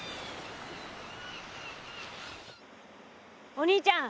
お兄ちゃん